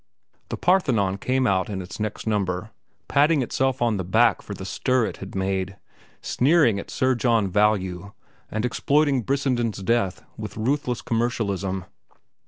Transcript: The Parthenon came out in its next number patting itself on the back for the stir it had made, sneering at Sir John Value, and exploiting Brissenden's death with ruthless commercialism.